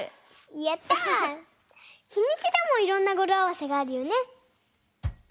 やった！日にちでもいろんなごろあわせがあるよね！